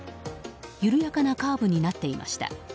緩やかなカーブになっていました。